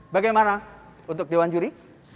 bagaimana untuk dewan juri